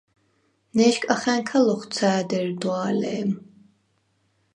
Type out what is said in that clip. ნე̄შკახა̈ნქა ლოხვცა̄̈დ ერდვა̄ლე̄მ: